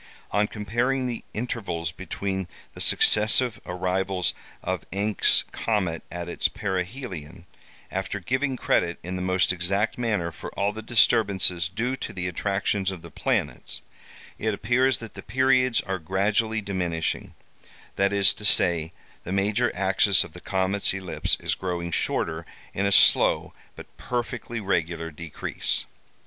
On comparing the intervals between the successive arrivals of Encke's comet at its perihelion, after giving credit, in the most exact manner, for all the disturbances due to the attractions of the planets, it appears that the periods are gradually diminishing; that is to say, the major axis of the comet's ellipse is growing shorter, in a slow but perfectly regular decrease.